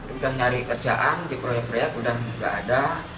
udah nyari kerjaan di proyek proyek udah nggak ada